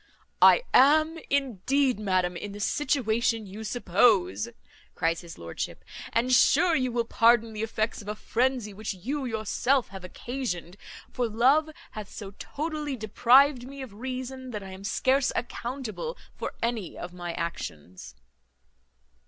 "I am, indeed, madam, in the situation you suppose," cries his lordship; "and sure you will pardon the effects of a frenzy which you yourself have occasioned; for love hath so totally deprived me of reason, that I am scarce accountable for any of my actions."